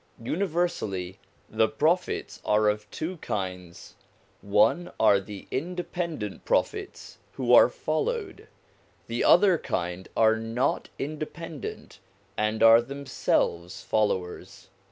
Universally, the Prophets are of two kinds. One are the independent Prophets who are followed; the other kind are not independent, and are themselves followers.